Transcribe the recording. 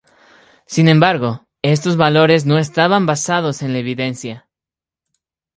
Sin embargo, estos valores no estaban basados en la evidencia.